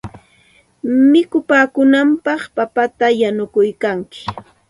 Mikunankupaq papata yanuykalkanki.